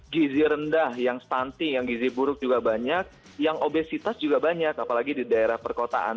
gizi rendah yang stunting yang gizi buruk juga banyak yang obesitas juga banyak apalagi di daerah perkotaan